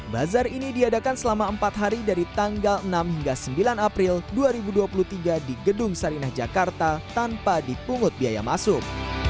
bazar ini diadakan selama empat hari dari tanggal enam hingga sembilan april dua ribu dua puluh tiga di gedung sarinah jakarta tanpa dipungut biaya masuk